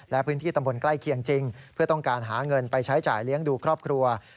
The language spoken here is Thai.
และพื้นที่ตำบลใกล้เคียงจริงเพื่อต้องการหาเงินไปใช้จ่ายเลี้ยงดูครอบครัว